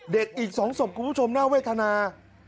อีก๒ศพคุณผู้ชมน่าเวทนา